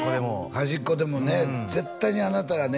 「はじっこでもね絶対にあなたがね」